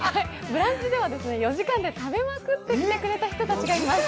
「ブランチ」では４時間で食べまくってくれた人がいます。